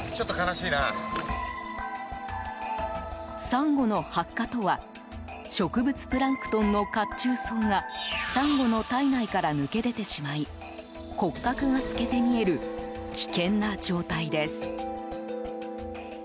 サンゴの白化とは植物プランクトンの褐虫藻がサンゴの体内から抜け出てしまい骨格が透けて見える危険な状態です。